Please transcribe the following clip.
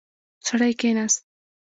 سړی کښیناست.